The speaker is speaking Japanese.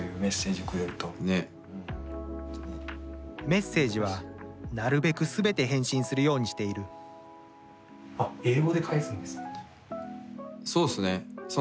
メッセージはなるべく全て返信するようにしているそうっすね。